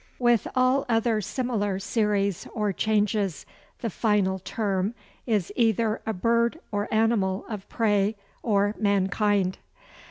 With all other similar series or changes the final term is either a bird or animal of prey or mankind.